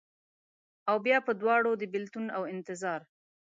اوبیا په دواړو، د بیلتون اوانتظار